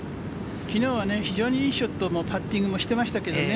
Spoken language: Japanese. きのうは非常にいいショットもパッティングもしてましたけれどもね。